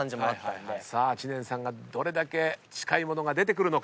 知念さんがどれだけ近いものが出てくるのか。